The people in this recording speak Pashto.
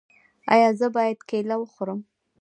ایا زه باید کیله وخورم؟